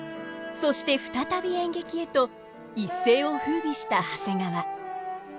そして再び演劇へと一世を風靡した長谷川。